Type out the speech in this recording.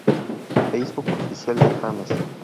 Facebook Oficial de James